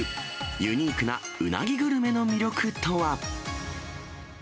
ユニークなうなぎグルメの魅力とは。